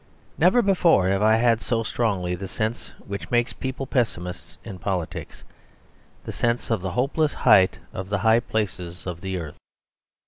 Never before have I had so strongly the sense which makes people pessimists in politics, the sense of the hopeless height of the high places of the earth.